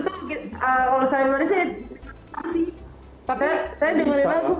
tapi saya dengerin lagu